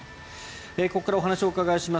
ここからお話をお伺いします